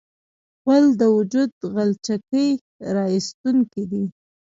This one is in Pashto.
غول د وجود غلچکي راایستونکی دی.